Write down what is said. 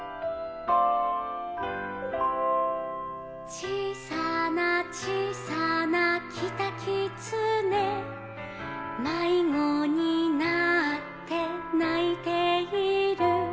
「ちいさなちいさなキタキツネ」「まいごになってないている」